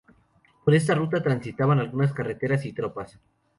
Por esta ruta, transitaban algunas carretas y tropas.